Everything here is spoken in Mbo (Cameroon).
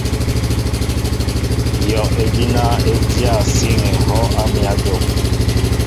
Yɔʼejina e dyá síŋ hɔʼ e mέa jom.